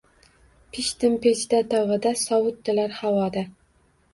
Pishdim pechda, tovada, sovitdilar havoda